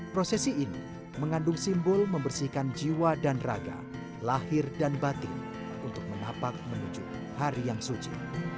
prosesi ini mengandung simbol membersihkan jiwa dan raga lahir dan batin untuk menapak menuju hari yang suci